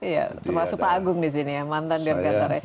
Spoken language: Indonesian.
ya termasuk pak agung di sini ya mantan di rekantara